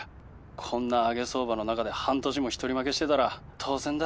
こんな上げ相場の中で半年も一人負けしてたら当然だ。